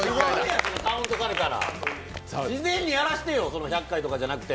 自然にやらせてよ、１００回とかじゃなくて。